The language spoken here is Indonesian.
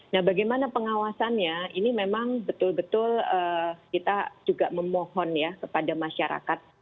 nah bagaimana pengawasannya ini memang betul betul kita juga memohon ya kepada masyarakat